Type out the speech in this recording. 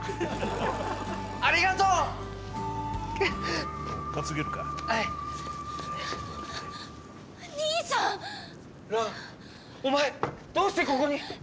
ランお前どうしてここに？